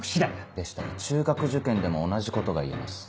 でしたら中学受験でも同じことが言えます。